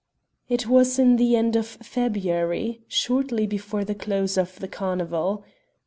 It was in the end of February, shortly before the close of the carnival.